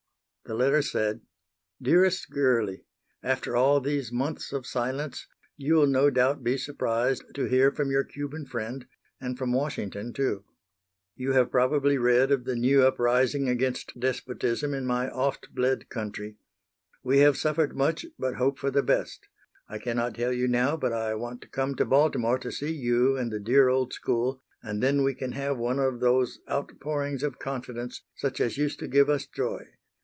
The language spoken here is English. The letter said: Dearest Girlie After all these months of silence, you will no doubt be surprised to hear from your Cuban friend, and from Washington, too. You have probably read of the new uprising against despotism in my oft bled country. We have suffered much, but hope for the best. I cannot tell you now, but I want to come to Baltimore to see you and the dear old school, and then we can have one of those outpourings of confidence such as used to give us joy.